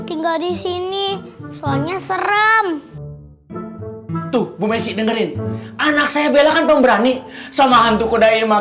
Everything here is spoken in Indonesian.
tinggal di sini soalnya serem tuh bumesi dengerin anak saya belakan pemberani sama hantu kuda ima